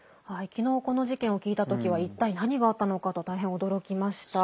昨日、この事件を聞いた時は一体、何があったのかと大変驚きました。